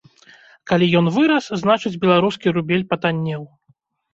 Калі ён вырас, значыць, беларускі рубель патаннеў.